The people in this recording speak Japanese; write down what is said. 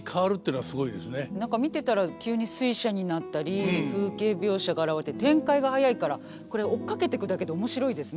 何か見てたら急に水車になったり風景描写があらわれて展開が早いからこれ追っかけていくだけで面白いですね